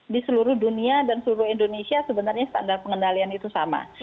di seluruh dunia dan seluruh indonesia sebenarnya standar pengendalian itu sama